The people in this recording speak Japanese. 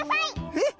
えっ？